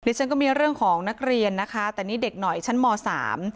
ฉันก็มีเรื่องของนักเรียนนะคะแต่นี่เด็กหน่อยชั้นมสาม